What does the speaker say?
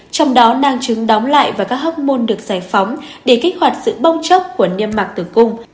trong đó nang trứng đóng lại và các hốc môn được giải phóng để kích hoạt sự bông chốc của niêm mạc tử cung